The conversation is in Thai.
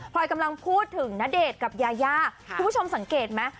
พอยกำลังพูดถึงณเดชน์กับยายาคุณผู้ชมสังเกตไหม